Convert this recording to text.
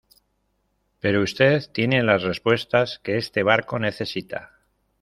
pero usted tiene las respuestas que este barco necesita